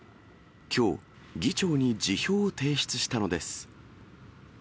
きょう、議長に辞表を提出したのです。